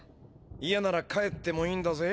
いやなら帰ってもいいんだぜ。